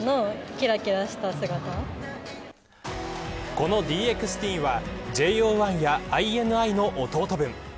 このＤＸＴＥＥＮはＪＯ１やＩＮＩの弟分。